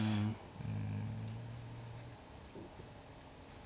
うん。